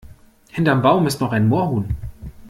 Hinterm Baum ist noch ein Moorhuhn!